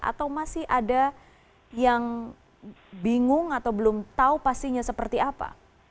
atau masih ada yang bingung atau belum tahu pastinya seperti apa